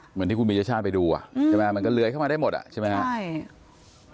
เหมือนที่คุณปียชาติไปดูอ่ะใช่ไหมมันก็เลื้อยเข้ามาได้หมดอ่ะใช่ไหมครับใช่